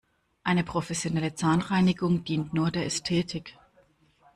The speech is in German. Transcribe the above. Eine professionelle Zahnreinigung dient nur der Ästhetik.